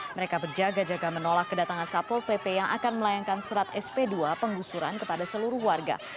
mereka berjaga jaga menolak kedatangan satpol pp yang akan melayangkan surat sp dua penggusuran kepada seluruh warga